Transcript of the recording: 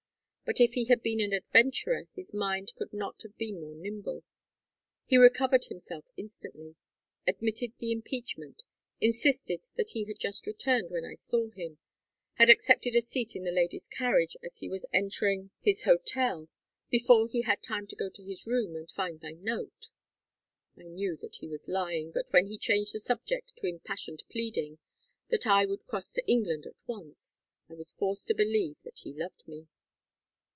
But if he had been an adventurer his mind could not have been more nimble. He recovered himself instantly, admitted the impeachment, insisted that he had just returned when I saw him, had accepted a seat in the lady's carriage as he was entering his hotel before he had time to go to his room and find my note. I knew that he was lying, but when he changed the subject to impassioned pleading that I would cross to England at once, I was forced to believe that he loved me.